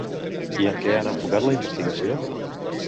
I en què han enfocat la investigació?